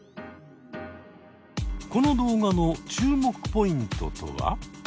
この動画の注目ポイントとは？